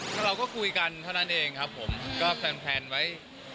เราก็คุยกันเท่านั้นเองครับผมก็แฟนไว้